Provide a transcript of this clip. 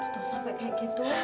tuh sampai kayak gitu